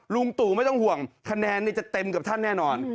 ลุงตู่ไม่ต้องห่วงคะแนนจะเต็มกับท่านแน่นอน